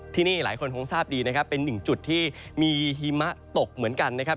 ที่นี่หลายคนคงทราบดีนะครับเป็นหนึ่งจุดที่มีหิมะตกเหมือนกันนะครับ